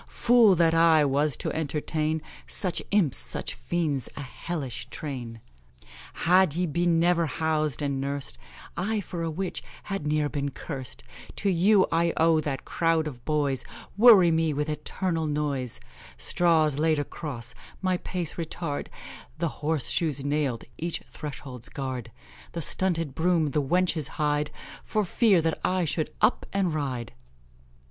Fool that I was to entertain Such imps, such fiends a hellish train; Had ye been never housed and nursed, I for a witch had n'er been cursed; To you I owe that crowd of boys Worry me with eternal noise; Straws laid across, my pace retard; The horse shoes nailed (each threshold's guard); The stunted broom the wenches hide, For fear that I should up and ride.